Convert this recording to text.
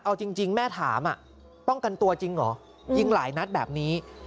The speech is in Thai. เอาจริงแม่ถามป้องกันตัวจริงเหรอยิงหลายนัดแบบนี้